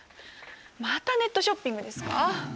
またネットショッピングですか？